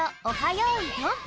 よいどん」。